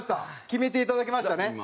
決めていただきましたね。